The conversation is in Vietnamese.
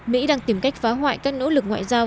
mỹ đang tìm cách phá hoại các nỗ lực ngoại giao